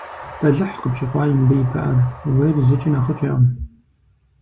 Бэлыхь къыпщыхъуаи мыбы и пыӀэр – ууейр зыкӀи нэхъыкӀэкъым.